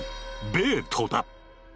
ベートだ。